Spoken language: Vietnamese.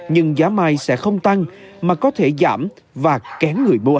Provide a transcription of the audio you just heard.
nhưng giá mai sẽ không tăng mà có thể giảm và kén người bùa